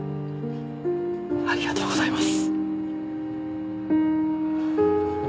ありがとうございます。